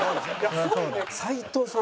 齊藤さん